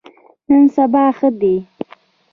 نن سبا ښه دي.